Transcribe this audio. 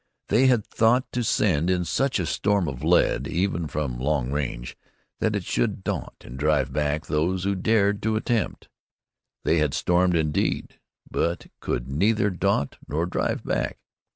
They had thought to send in such a storm of lead, even from long range, that it should daunt and drive back those who had dared the attempt. They had stormed indeed, but could neither daunt nor drive back.